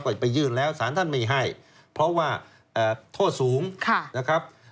ก็ไปยื่นแล้วสารท่านไม่ให้เพราะว่าโทษสูงนะครับ